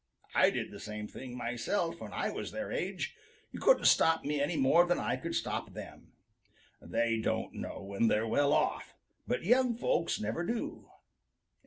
I did the same thing myself when I was their age. Couldn't stop me any more than I could stop them. They don't know when they're well off, but young folks never do.